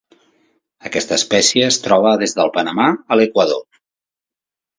Aquesta espècie es troba des del Panamà a l'Equador.